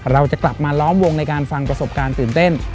เราจะกลับมาล้อมวงในการฟังประสบการณ์ตื่นเต้น